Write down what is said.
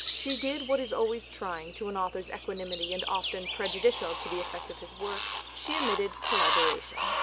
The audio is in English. She did what is always trying to an author's equanimity and often prejudicial to the effect of his work: she admitted collaboration.